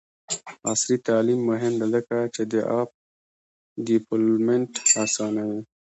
عصري تعلیم مهم دی ځکه چې د اپ ډیولپمنټ اسانوي.